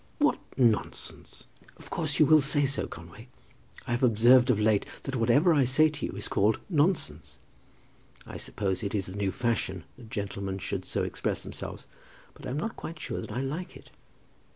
"What nonsense!" "Of course you will say so, Conway. I have observed of late that whatever I say to you is called nonsense. I suppose it is the new fashion that gentlemen should so express themselves, but I am not quite sure that I like it."